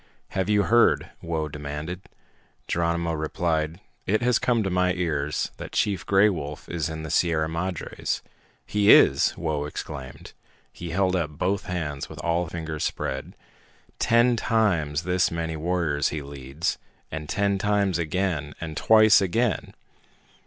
"Have you heard?" Whoa demanded. Geronimo replied, "It has come to my ears that Chief Gray Wolf is in the Sierra Madres." "He is!" Whoa exclaimed. He held up both hands with all fingers spread. "Ten times this many warriors he leads, and ten times again, and twice again!